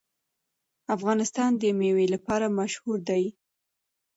افغانستان د مېوې لپاره مشهور دی.